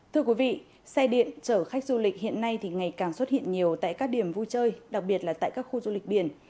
thưa quý vị xe điện chở khách du lịch hiện nay thì ngày càng xuất hiện nhiều tại các điểm vui chơi đặc biệt là tại các khu du lịch biển